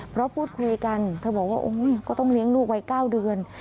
เพราะพูดคุยกันเธอบอกว่าก็ต้องเลี้ยงลูกวัย๙เดือน